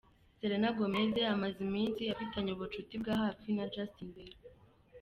Selena Gomez amaze iminsi afitanye ubucuti bwa hafi na Justin Bieber.